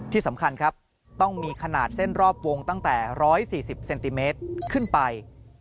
ที่สำคัญครับต้องมีขนาดเส้นรอบวงตั้งแต่๑๔๐เซนติเมตรขึ้นไป